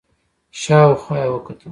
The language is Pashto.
شاو خوا يې وکتل.